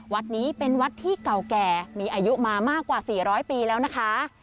วัดนี้เป็นวัดที่เก่าแก่มีอายุมามากกว่า๔๐๐ปีแล้วนะคะ